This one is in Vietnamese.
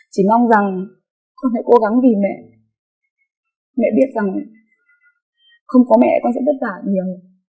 chỉ mong rằng con hãy cố gắng vì mẹ mẹ biết rằng không có mẹ con sẽ vất vả nhiều